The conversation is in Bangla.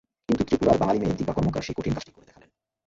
কিন্তু ত্রিপুরার বাঙালি মেয়ে দীপা কর্মকার সেই কঠিন কাজটিই করে দেখালেন।